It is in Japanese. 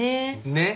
ねっ。